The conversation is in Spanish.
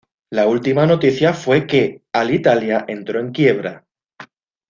La última noticia fue que Alitalia entró en quiebra.